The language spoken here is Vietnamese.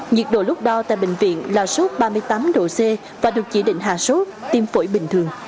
nhiệt độ lúc đo tại bệnh viện là sốt ba mươi tám độ c và được chỉ định hạ sốt tim phổi bình thường